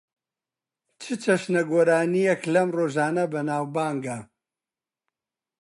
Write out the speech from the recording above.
چ چەشنە گۆرانییەک لەم ڕۆژانە بەناوبانگە؟